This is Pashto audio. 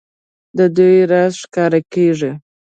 د دوی راز ښکاره کېږي.